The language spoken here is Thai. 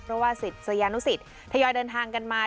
เพราะว่าศิษยานุสิตทยอยเดินทางกันมา